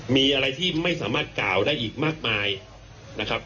มีอะไรที่ไม่สามารถกล่าวได้อีกมากมายนะครับ